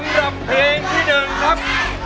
สำหรับเพลงที่๑ครับ